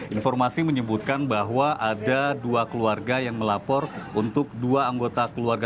informasi menyebutkan bahwa ada dua keluarga yang melapor untuk dua anggota keluarga